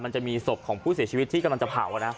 มันจะมีศพของผู้เสียชีวิตที่กำลังจะเผานะ